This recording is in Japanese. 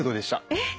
えっ！？